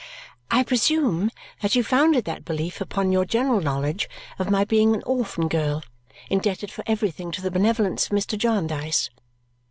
I presume that you founded that belief upon your general knowledge of my being an orphan girl, indebted for everything to the benevolence of Mr. Jarndyce.